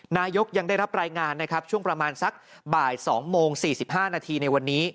นายกยังได้รับรายงานนะครับช่วงประมาณสักบ่าย๒โมง๔๕นาทีในวันนี้